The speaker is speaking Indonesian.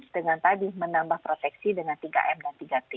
dengan tadi menambah proteksi dengan tiga m dan tiga t